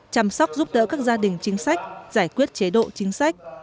chăm sóc giúp đỡ các gia đình chính sách giải quyết chế độ chính sách